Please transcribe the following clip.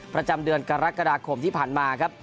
ประจำเดือนกรกฎาคมที่ผ่านมาครับ